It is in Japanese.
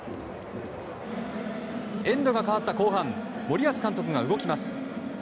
エンドが代わった後半森保監督が動きます。